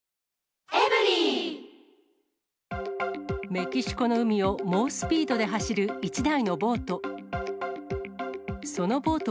メキシコの海を猛スピードで走る１台のボート。